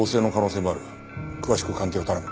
詳しく鑑定を頼む。